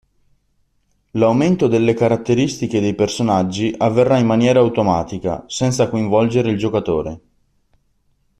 L'aumento delle caratteristiche dei personaggi avverrà in maniera automatica, senza coinvolgere il giocatore.